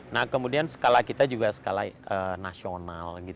nah kemudian skala kita juga skala nasional